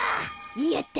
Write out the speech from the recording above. やった！